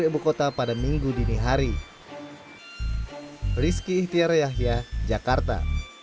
ibu kota pada minggu dini hari rizky ihtiar yahya jakarta